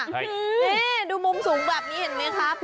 ให้ดูมุมสูงแบบนี้เห็นมั้ยค่ะ